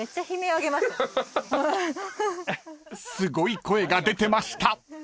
［すごい声が出てました］